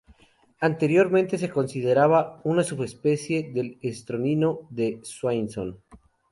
Anteriormente se consideraba una subespecie del estornino de Swainson.